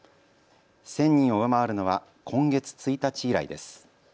１０００人を上回るのは今月１日以来です。